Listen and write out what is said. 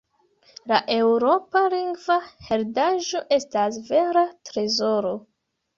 La eŭropa lingva heredaĵo estas vera trezoro.